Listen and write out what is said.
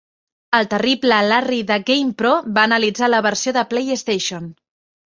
El terrible Larry de "GamePro" va analitzar la versió de PlayStation.